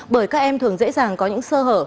bởi các em thường dễ dàng có những sơ hở